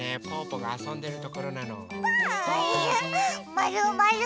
まるまる。